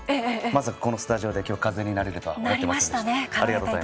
まさかこのスタジオで今日風になれるとは思ってませんでした。